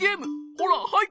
ほらはい！